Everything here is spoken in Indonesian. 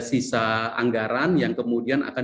sisa anggaran yang kemudian akan